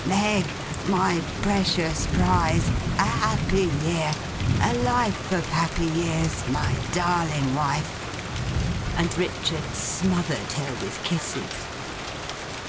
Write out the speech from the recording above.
Meg, my precious prize, a happy year! A life of happy years, my darling wife!' And Richard smothered her with kisses.